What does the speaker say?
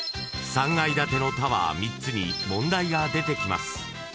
［３階建てのタワー３つに問題が出てきます］